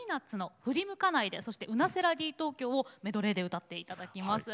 そして「ウナ・セラ・ディ東京」をメドレーで歌っていただきます。